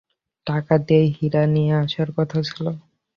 টাকা দিয়ে হীরা নিয়ে আসার কথা ছিল।